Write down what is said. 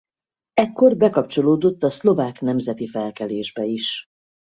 Ekkor bekapcsolódott a Szlovák nemzeti felkelésbe is.